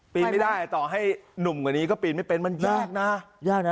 ปีนไม่ได้ต่อให้หนุ่มกว่านี้ก็ปีนไม่เป็นมันยากนะยากนะ